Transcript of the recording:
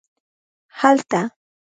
هلته